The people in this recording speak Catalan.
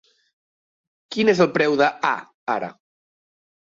Quin és el preu d' "A" ara?